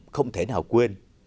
không thể nào quên